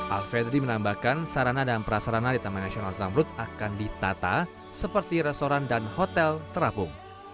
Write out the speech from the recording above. alfedri menambahkan sarana dan prasarana di taman nasional zamrut akan ditata seperti restoran dan hotel terapung